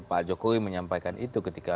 pak jokowi menyampaikan itu ketika